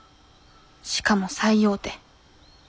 しかも最大手。